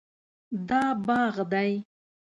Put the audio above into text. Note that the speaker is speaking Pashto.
دا باغ دی